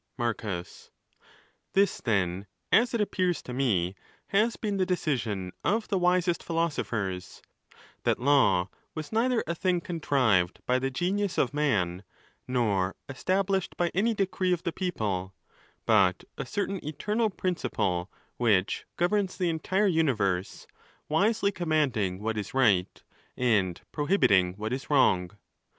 A3L ~ Marcus:—This, then, as it appears to me, has been the decision of the wisest philosophers,—that law was neither a thing contrived by the genius of man, nor established by any decree of the people, but a certain eternal principle, which governs the entire universe, wisely commanding what is right and prohibiting what is wrong.